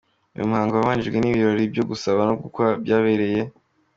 Uyu muhango wabanjirijwe n’ibirori byo gusaba no gukwa byabereye